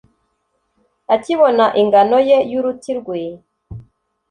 akibona ingano ye y’uruti rwe,